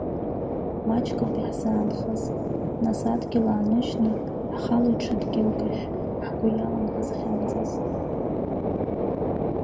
Маҷк ауп иаҳзаанхаз, нас адгьыл ааныжьны, ҳхалоит ҽа дгьылк ахь, ҳгәы иалан ҳазхьымӡаз.